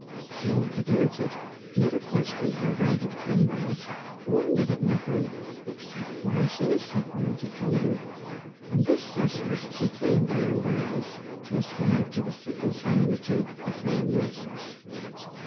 She never doubted, never questioned how they had come there, wondei ed at nothing except why she was separated from them, and this severanc* she came by and by to ascribe to the settled enmity of her nurses.